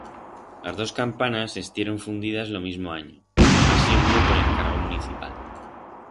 Las dos campanas estieron fundidas lo mismo anyo, lo mas siguro por encargo municipal.